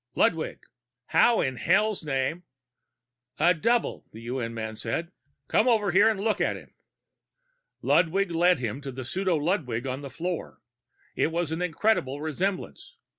"Ludwig! How in hell's name " "A double," the UN man said. "Come over here and look at him." Ludwig led him to the pseudo Ludwig on the floor. It was an incredible resemblance.